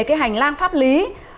cái hành lang pháp lý